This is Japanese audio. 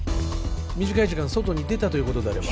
短い時間外に出たということであれば